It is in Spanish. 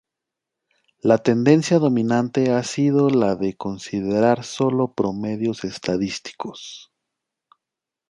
La tendencia dominante ha sido la de considerar sólo promedios estadísticos.